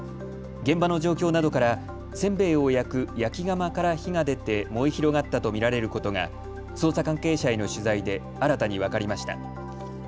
現場の状況などからせんべいを焼く焼き釜から火が出て燃え広がったと見られることが捜査関係者への取材で新たに分かりました。